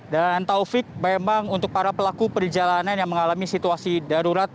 dan taufik bayang bayang untuk para pelaku perjalanan yang mengalami situasi darurat